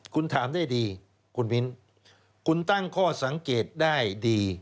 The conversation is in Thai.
คุณถามได้ดีคุณมิ้นคุณตั้งข้อสังเกตได้ดี